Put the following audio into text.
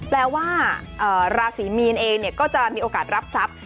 แปลว่าราศีมีนเองก็จะมีโอกาสรับทรัพย์